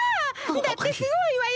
だってすごいわよ。